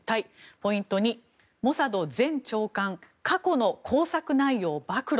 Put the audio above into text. ポイント２、モサド前長官過去の工作内容暴露。